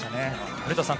古田さん